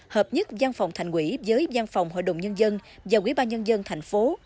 hợp nhất giang phòng thành quỹ với giang phòng hội đồng nhân dân và quỹ ba nhân dân thành phố